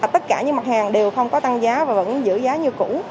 tất cả những mặt hàng đều không có tăng giá và vẫn giữ giá như cũ